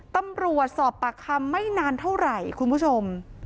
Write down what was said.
ตำรวจสอบปากคำไม่นานเท่าไหร่คุณผู้ชม